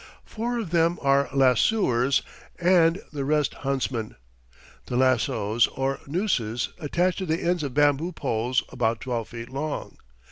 Four of them are lassoers and the rest huntsmen. The lassos are nooses attached to the ends of bamboo poles about twelve feet long.